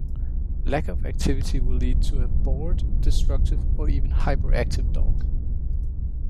Lack of activity will lead to a bored, destructive, or even hyperactive dog.